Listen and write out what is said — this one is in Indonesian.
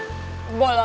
nggak ada apa apa